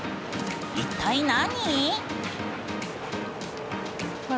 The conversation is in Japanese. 一体何？